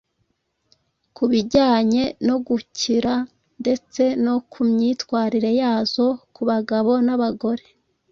ku bijyanye no gukira ndetse no ku myitwarire yazo ku bagabo n’abagore.